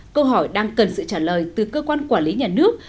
câu hỏi đang cần sự trả lời từ cơ quan quản lý nhà nước